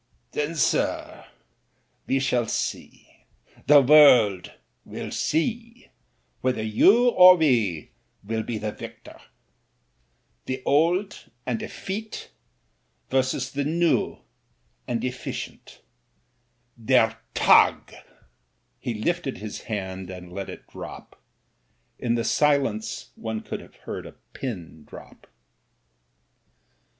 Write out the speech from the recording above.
"Then, sir, we shall see — ^the world will see — ^whether you or we will be the victor. The old and effete versus the new and effi cient. Der Tag.'* He lifted his hand and let it drop; in the silence one could have heard a pin drop.